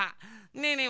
ねえねえ